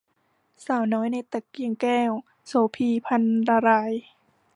สาวน้อยในตะเกียงแก้ว - โสภี พรรณราย